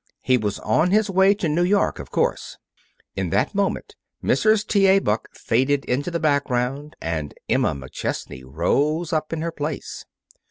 He was on his way to New York, of course. In that moment Mrs. T. A. Buck faded into the background and Emma McChesney rose up in her place.